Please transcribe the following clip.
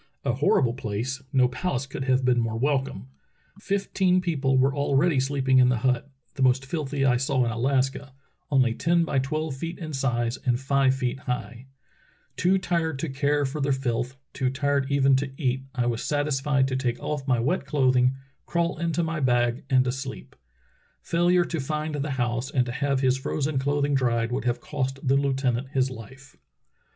A horrible place, no palace could have been more welcome. Fifteen peo ple were already sleeping in the hut, the most filthy Relief of American Whalers at Point Barrow 287 I saw in Alaska, only ten by twelve feet in size and five feet high. Too tired to care for the filth, too tired even to eat, I was satisfied to take off my wet cloth ing, crawl into my bag, and to sleep." Failure to find the house and to have his frozen clothing dried would have cost the lieutenant his Hfe.